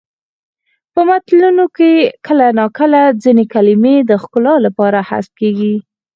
په متلونو کې کله ناکله ځینې کلمې د ښکلا لپاره حذف کیږي